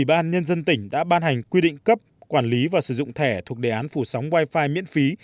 an nhân dân tỉnh đã ban hành quy định cấp quản lý và sử dụng thẻ thuộc đề án phủ sóng wi fi miễn phí